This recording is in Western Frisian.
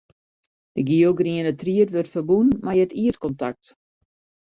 De gielgriene tried wurdt ferbûn mei it ierdkontakt.